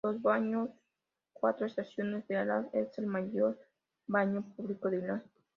Los Baños Cuatro estaciones de Arak es el mayor baño público de Irán.